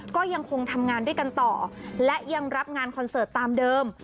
ก็ยังคงทำงานด้วยกันต่อและยังรับงานคอนเสิร์ตตามเดิม